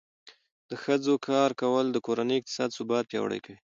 د ښځو کار کول د کورنۍ اقتصادي ثبات پیاوړی کوي.